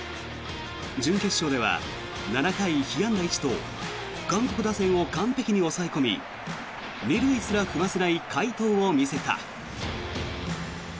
準決勝では７回被安打１と韓国打線を完璧に抑え込み２塁すら踏ませない快投を見せた。